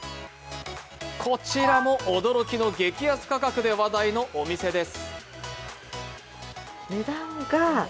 こちらも驚きの激安価格で話題のお店です。